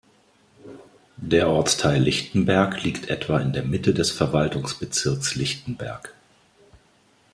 Der Ortsteil Lichtenberg liegt etwa in der Mitte des Verwaltungsbezirks Lichtenberg.